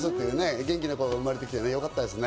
元気な子供が生まれてきてよかったですね。